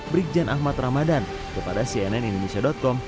brigjen ahmad ramadan kepada cnn indonesia com